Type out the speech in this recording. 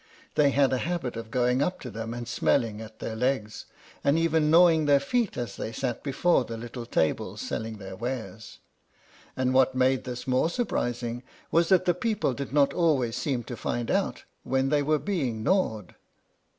They had a habit of going up to them and smelling at their legs, and even gnawing their feet as they sat before the little tables selling their wares; and what made this more surprising was that the people did not always seem to find out when they were being gnawed.